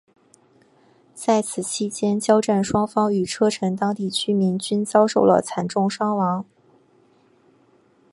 在此期间交战双方与车臣当地居民均遭受了惨重伤亡。